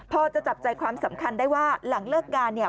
พอจะจับใจความสำคัญได้ว่าหลังเลิกงานเนี่ย